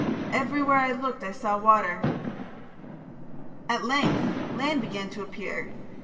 Everywhere I looked I saw water. "At length, land began to appear.